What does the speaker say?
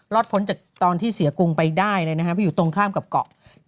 รอดพ้นจากตอนที่เสียกรุงไปได้ความค่ามกับเกาะ